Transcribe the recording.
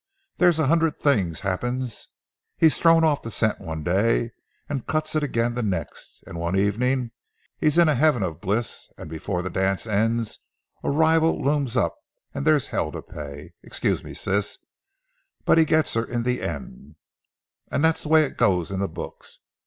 There's a hundred things happens; he's thrown off the scent one day and cuts it again the next, and one evening he's in a heaven of bliss and before the dance ends a rival looms up and there's hell to pay,—excuse me, Sis,—but he gets her in the end. And that's the way it goes in the books.